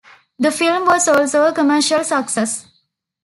The film was also a commercial success.